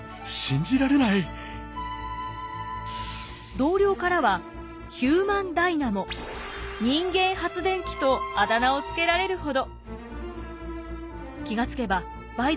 同僚からはヒューマンダイナモ人間発電機とあだ名を付けられるほど。